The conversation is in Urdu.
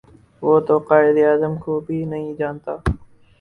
وہ تو قاہد اعظم کو بھی نہیں جانتا